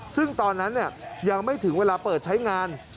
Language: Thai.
ซึ่งตอนนั้นยังไม่ถึงเวลาเปิดใช้งาน